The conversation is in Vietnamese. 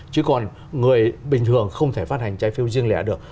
chứ còn người bình thường không thể phát hành trái phiếu riêng lẻ được